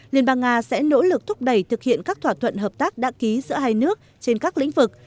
liên bang nga sẽ nỗ lực thúc đẩy thực hiện các thỏa thuận hợp tác đã ký giữa hai nước trên các lĩnh vực